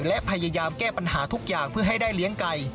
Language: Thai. และพยายามแก้ปัญหาทุกอย่างเพื่อให้ได้เลี้ยงไก่